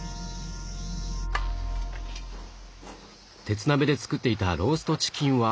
鉄鍋で作っていたローストチキンは？